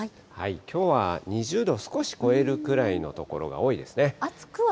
きょうは２０度少し超えるくらいの所が多いですね。